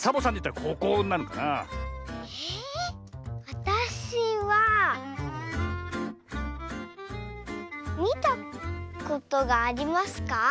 わたしはみたことがありますか？